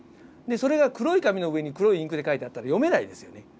それが黒い紙の上に黒いインクで書いてあったら読めないですよね。